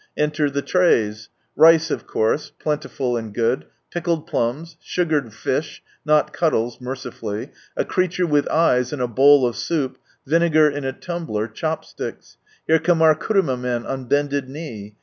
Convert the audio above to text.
Enter the trays— rice of course, plentiful and good, pickled H plums, sugared fish (not cullies, mercifully,) a creature with eyes, in a bowl of soup, Across Japan by Kuruma 47 vinegar in a tumbler, chopsticks. Here come our kuruma men, on bended knee.